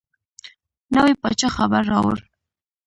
نوي پاچا خبر راووړ.